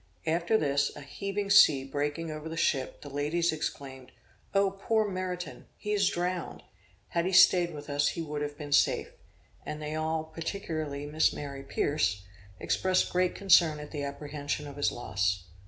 After this, a heavy sea breaking over the ship, the ladies exclaimed, "O poor Meriton! he is drowned! had he staid with us he would have been safe!" and they all, particularly Miss Mary Pierce, expressed great concern at the apprehension of his loss.